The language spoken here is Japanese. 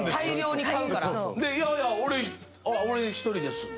いやいや、俺一人です。